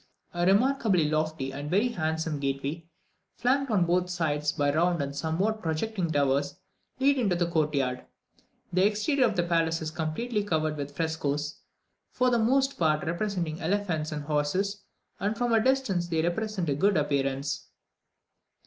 A remarkably lofty and very handsome gateway, flanked on both sides by round and somewhat projecting towers, leads into the court yard. The exterior of the palace is completely covered with frescoes, for the most part representing elephants and horses, and from a distance they present a good appearance.